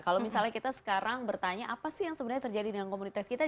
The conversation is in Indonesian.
kalau misalnya kita sekarang bertanya apa sih yang sebenarnya terjadi dengan komunitas kita